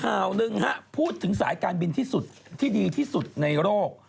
ข่าวหนึ่งฮะพูดถึงสายการบินที่สุดที่ดีที่สุดในโลก